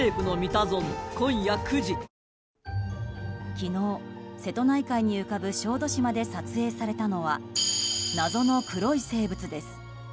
昨日、瀬戸内海に浮かぶ小豆島で撮影されたのは謎の黒い生物です。